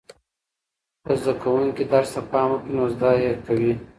که زده کوونکي درس ته پام وکړي نو زده یې کوي.